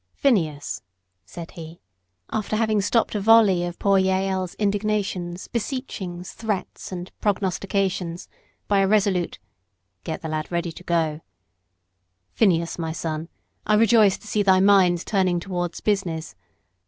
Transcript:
"Phineas," said he (after having stopped a volley of poor Jael's indignations, beseechings, threats, and prognostications, by a resolute "Get the lad ready to go") "Phineas, my son, I rejoice to see thy mind turning towards business.